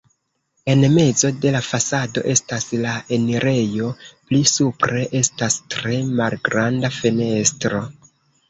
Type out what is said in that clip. En mezo de la fasado estas la enirejo, pli supre estas tre malgranda fenestro.